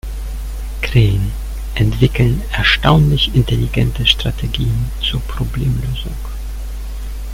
Krähen entwickeln erstaunlich intelligente Strategien zur Problemlösung.